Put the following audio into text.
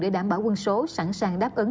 để đảm bảo quân số sẵn sàng đáp ứng